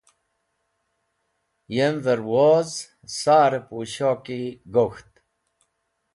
Yem’ver woz sar-e pushoki gok̃ht.